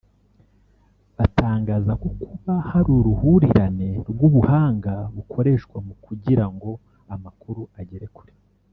Batangaza ko kuba hari uruhurirane rw’ubuhanga bukoreshwa kugira ngo amakuru agere kure